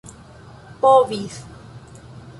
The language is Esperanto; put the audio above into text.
povis